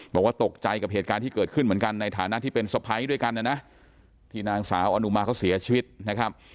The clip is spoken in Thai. บอกว่าตกใจกับเหตุการณ์ที่เกิดขึ้นเหมือนกันในฐานะที่เป็นสะพ้ายด้วยกันนะนะที่นางสาวอนุมาเขาเสียชีวิตนะครับ